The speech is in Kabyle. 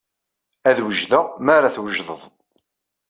Ad wejdeɣ mi ara twejdeḍ.